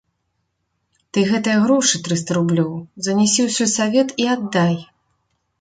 Ты гэтыя грошы, трыста рублёў, занясі ў сельсавет і аддай.